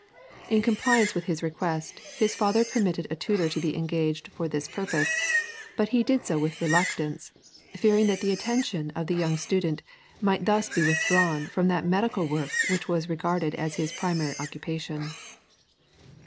In compliance with his request, his father permitted a tutor to be engaged for this purpose; but he did so with reluctance, fearing that the attention of the young student might thus be withdrawn from that medical work which was regarded as his primary occupation.